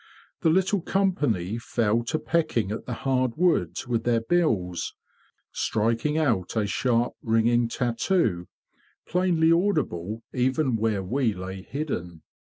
The little company fell to pecking at the hard wood with their bills, striking out a sharp ringing tattoo plainly audible even where we lay hidden.